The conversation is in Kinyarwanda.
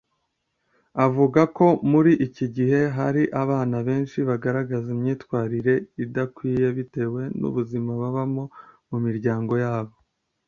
Avuga ko muri iki gihe hari abana benshi bagaragaza imyitwarire idakwiye bitewe n’ubuzima babamo mu miryango yabo